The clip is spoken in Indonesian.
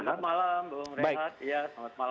selamat malam belum rezat